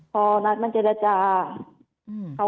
พอนักมันเจรจาอืม